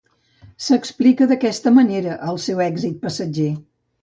S'explica d'aquesta manera el seu èxit passatger.